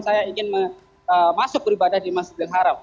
saya ingin masuk beribadah di masjidil haram